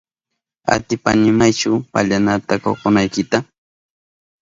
¿Atipaynimachu pallanata kokonaykita?